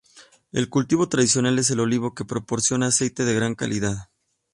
El cultivo tradicional es el olivo que proporciona aceite de gran calidad.